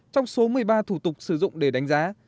trong số một mươi ba thủ tục sử dụng để đánh giá